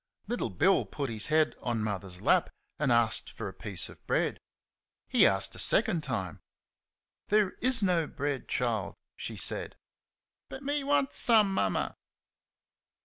Little Bill put his head on Mother's lap, and asked for a piece of bread...He asked a second time. "There IS no bread, child," she said. "But me wants some, mumma."